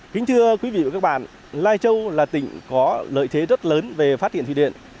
kính thưa quý vị và các bạn lai châu là tỉnh có lợi thế rất lớn về phát triển thủy điện